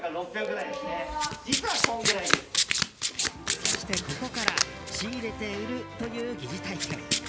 そして、ここから仕入れて売るという疑似体験。